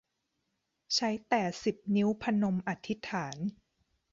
ใช้แต่สิบนิ้วพนมอธิษฐาน